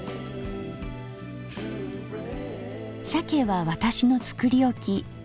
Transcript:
鮭は私の作り置き。